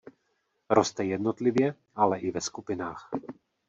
Roste jednotlivě ale i ve skupinách.